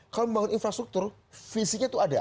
kalau membangun infrastruktur visinya itu ada